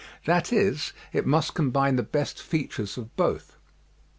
That is, it must combine the best features of both.